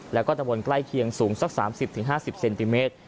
แล้วก็ตะบนใกล้เคียงสูงสัก๓๐๕๐เซนติเมตร